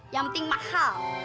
yang penting mahal